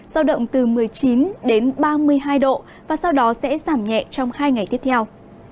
giao động từ một mươi chín đến ba mươi hai độ và sau đó sẽ giảm nhẹ trong hai ngày tiếp theo